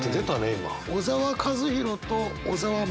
今。